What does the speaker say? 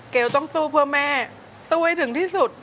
ต้องสู้เพื่อแม่สู้ให้ถึงที่สุด